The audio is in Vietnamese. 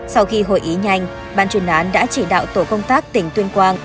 sau khi hội ý nhanh ban chuyên án đã chỉ đạo tổ công tác tỉnh tuyên quang